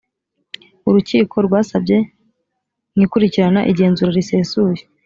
urukiko rwasabye mu ikurikirana igenzura risesuye